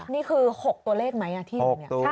นี่คือ๖ตัวเลขไหมที่หนึ่ง